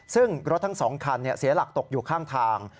ซึ่งรถทั้ง๒คันเสียหลักตกอยู่ข้างทาง